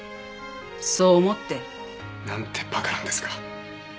そう思って。なんて馬鹿なんですか。